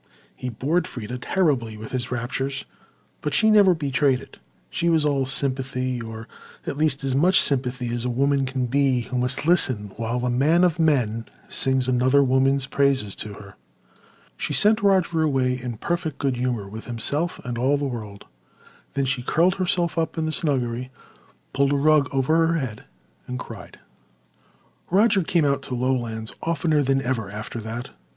He bored Freda terribly with his raptures but she never betrayed it. She was all sympathy—or, at least, as much sympathy as a woman can be who must listen while the man of men sings another woman's praises to her. She sent Roger away in perfect good humour with himself and all the world, then she curled herself up in the snuggery, pulled a rug over her head, and cried. Roger came out to Lowlands oftener than ever after that.